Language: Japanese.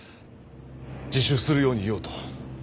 自首するように言おうと。